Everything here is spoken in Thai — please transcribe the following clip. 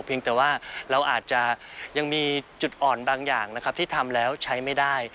แต่ว่าเราอาจจะยังมีจุดอ่อนบางอย่างนะครับที่ทำแล้วใช้ไม่ได้